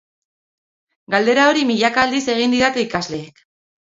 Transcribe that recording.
Galdera hori milaka aldiz egin didate ikasleek.